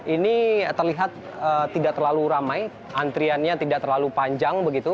ini terlihat tidak terlalu ramai antriannya tidak terlalu panjang begitu